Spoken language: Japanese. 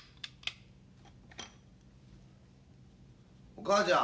お母ちゃん。